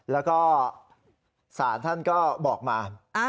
แล้วก็ศาลท่านก็บอกมา